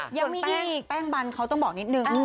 ยังมีอีกแป้งบันเขาต้องบอกนิดนึง